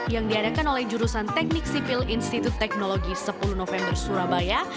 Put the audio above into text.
yang diadakan oleh jurusan teknik sipil institut teknologi sepuluh november surabaya